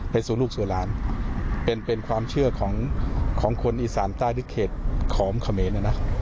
ไปสู่ลูกสู่ร้านเป็นเป็นความเชื่อของของคนอีสานใต้ด้วยเขตขอมขเมนอ่ะนะ